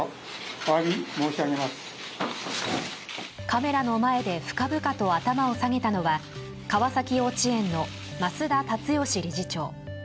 カメラの前で深々と頭を下げたのは川崎幼稚園の増田立義理事長。